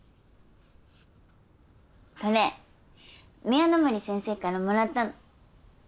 これ宮野森先生からもらったの。